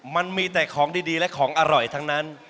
มันมีแต่ของดีและของอร่อยทั้งนั้น